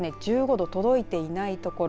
１５度、届いていない所。